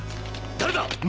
誰だ！